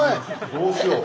どうしよう。